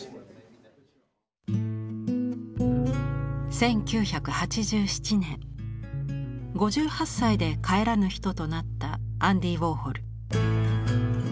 １９８７年５８歳で帰らぬ人となったアンディ・ウォーホル。